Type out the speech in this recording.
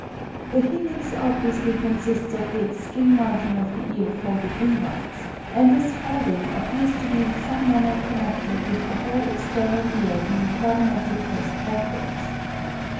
The helix obviously consists of the extreme margin of the ear folded inwards; and this folding appears to be in some manner connected with the whole external ear being permanently pressed backwards.